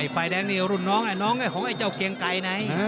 ไฟแดงนี่รุ่นน้องไอ้น้องไอ้น้องของไอ้เจ้าเกียงไก่ไหน